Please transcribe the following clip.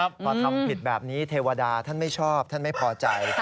พอทำผิดแบบนี้เทวดาท่านไม่ชอบท่านไม่พอใจ